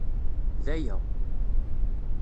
D aya.